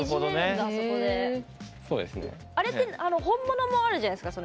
あれって本物もあるじゃないですか。